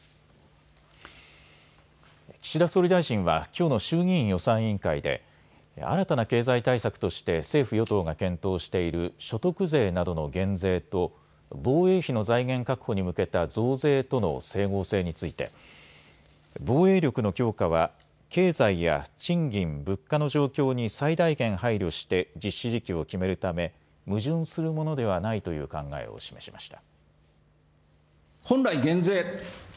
岸田総理大臣はきょうの衆議院予算委員会で新たな経済対策として政府与党が検討している所得税などの減税と防衛費の財源確保に向けた増税との整合性について防衛力の強化は経済や賃金・物価の状況に最大限配慮して実施時期を決めるため矛盾するものではないという考えを示しました。